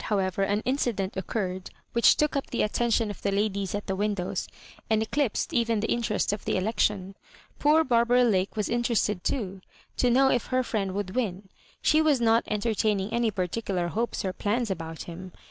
however, an incident occurred which took up the attention of the ladies at the windows, and eclipsed even the interest of the election. Poor Barbara Lake was interested, too, to know if her Mend would win. She was not entertaining any particular hopes or plans about him.